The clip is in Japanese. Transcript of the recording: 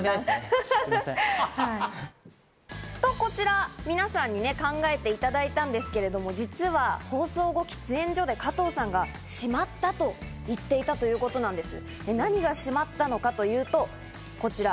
と、こちら皆さんに考えていただいたんですけれども、実は放送後、喫煙所で加藤さんがしまったと言っていたということなんです。